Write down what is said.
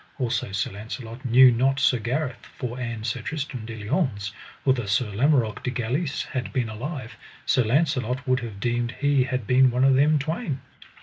Also Sir Launcelot knew not Sir Gareth for an Sir Tristram de Liones, outher Sir Lamorak de Galis had been alive, Sir Launcelot would have deemed he had been one of them twain.